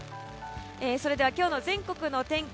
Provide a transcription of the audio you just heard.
それでは今日の全国の天気。